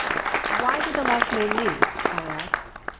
"'Why did the last man leave?' I asked.